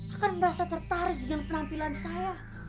akan merasa tertarik dengan penampilan saya